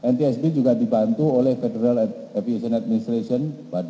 ntsb juga dibantu oleh federal aviation administration